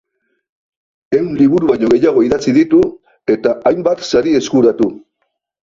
Ehun liburu baino gehiago idatzi ditu eta hainbat sari eskuratu.